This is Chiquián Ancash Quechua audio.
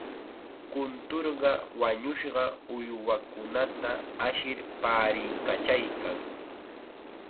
Kunturqa wañushqa uywakunata ashir paariykachaykan.